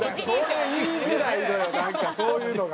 それ言いづらいのよなんかそういうのが。